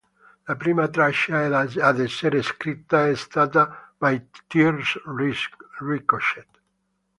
La prima traccia ad essere scritta è stata "My Tears Ricochet".